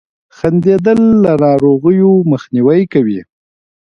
• خندېدل له ناروغیو مخنیوی کوي.